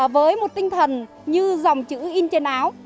với một tinh thần như dòng chữ in trên áo